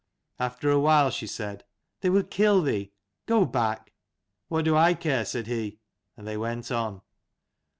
After a while she said, " They will kill thee. Go back." "What do I care?" said he; and they went on.